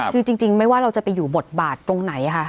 คือจริงไม่ว่าเราจะไปอยู่บทบาทตรงไหนค่ะ